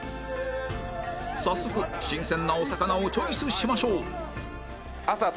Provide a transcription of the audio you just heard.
早速新鮮なお魚をチョイスしましょう！